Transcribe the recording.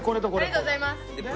ありがとうございます。